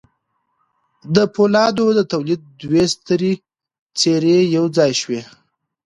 د پولادو د تولید دوې سترې څېرې یو ځای شوې